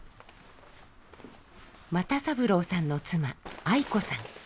又三郎さんの妻愛子さん。